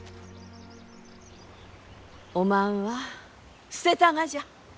おまんは捨てたがじゃ。